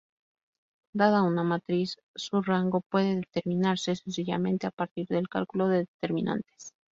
Dada una matriz su rango puede determinarse sencillamente a partir del cálculo de determinantes.